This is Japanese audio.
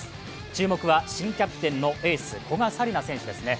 注目は新キャプテンのエース、古賀紗理那選手ですね。